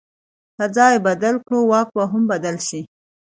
که ځان بدل کړو، واک به هم بدل شي.